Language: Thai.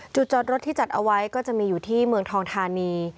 จอดรถที่จัดเอาไว้ก็จะมีอยู่ที่เมืองทองทานี